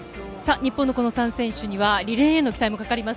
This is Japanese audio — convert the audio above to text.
日本の３選手にはリレーへの期待もかかります。